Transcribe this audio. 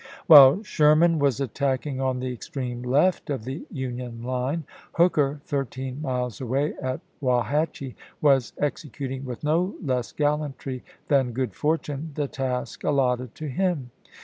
While Sherman was attacking on the extreme left of the Union line. Hooker, thirteen miles away at Wauhatchie, was executing, with no less gallantry than good fortune, the task allotted to him.